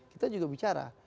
kita juga bicara